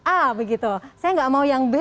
a begitu saya nggak mau yang b